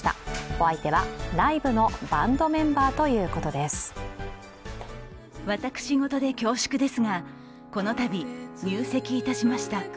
お相手はライブのバンドメンバーというこｔです。